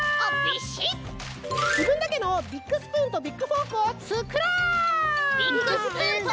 じぶんだけのビッグスプーンとビッグフォークをつくろう！